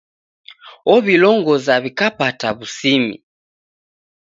Ow'ilongoza w'ikapata w'usimi.